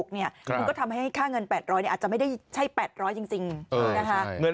มันก็ทำให้ค่าเงิน๘๐๐อาจจะไม่ได้ใช่๘๐๐จริงนะคะ